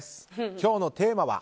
今日のテーマは？